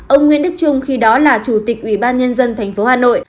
ông nguyễn đức trung khi đó là chủ tịch ủy ban nhân dân tp hà nội